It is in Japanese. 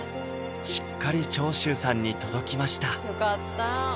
しっかり長州さんに届きました